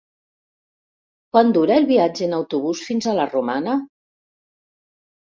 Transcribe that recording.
Quant dura el viatge en autobús fins a la Romana?